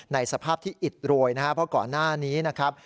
สภาพที่อิดโรยนะครับเพราะก่อนหน้านี้นะครับ